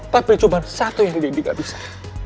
tapi coba satu yang daddy gak bisa